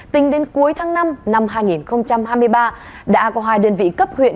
tính đến cuối tháng năm năm hai nghìn hai mươi ba đã có hai đơn vị cấp huyện